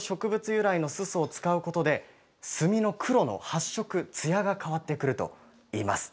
由来の「すす」を使うことで墨の黒の発色ツヤが変わってくるといいます。